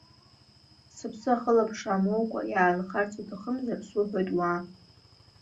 Сыԥсы ахылаԥшра амоукәа иаанхарц уҭахымзар, суҳәоит, уаа…